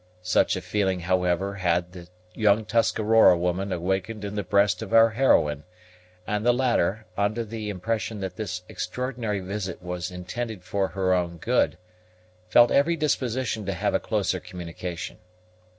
Such a feeling, however, had the young Tuscarora woman awakened in the breast of our heroine; and the latter, under the impression that this extraordinary visit was intended for her own good, felt every disposition to have a closer communication.